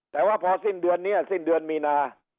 แต่ว่าพอสิ้นเดือนนี้สิ้นเดือนมีนา